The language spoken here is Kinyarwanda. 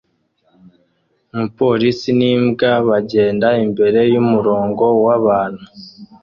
Umupolisi n'imbwa bagenda imbere y'umurongo w'abantu